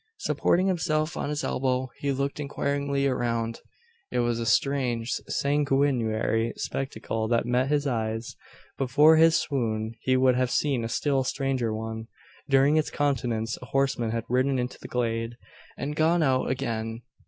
Supporting himself on his elbow, he looked inquiringly around. It was a strange, sanguinary spectacle that met his eyes. But for his swoon, he would have seen a still stranger one. During its continuance a horseman had ridden into the glade, and gone out again.